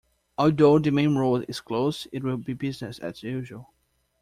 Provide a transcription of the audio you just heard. Although the main road is closed, it will be business as usual.